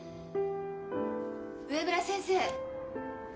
上村先生！